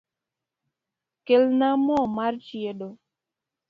Kelna mo mar chiedo